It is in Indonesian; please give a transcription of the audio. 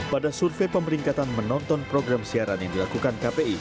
pada survei pemeringkatan menonton program siaran yang dilakukan kpi